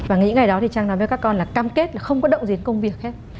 và những ngày đó thì trang nói với các con là cam kết là không có động diễn công việc hết